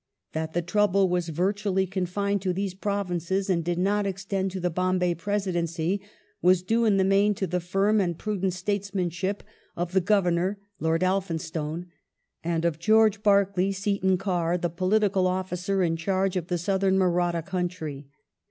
That the trouble was virtually confined to these Provinces and did not extend to the Bombay Presidency was due in the main to the firm and prudent statesmanship of the Governor, Lord Elphinstone, and of Greorge Berkeley Seton Karr, the political officer in charge of the Southern Maratha country.